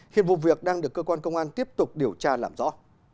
hiện vụ việc đang được cơ quan công an tiếp tục điều tra làm rõ